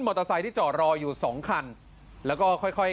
มอเตอร์ไซที่เจาะรอยอยู่สองคันแล้วก็ค่อย